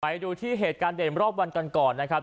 ไปดูที่เหตุการณ์เด่นรอบวันกันก่อนนะครับ